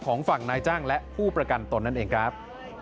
ของฝั่งนายจ้างและผู้ประกันตนนั่นเองครับ